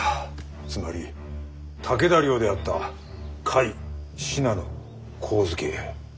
つまり武田領であった甲斐信濃上野。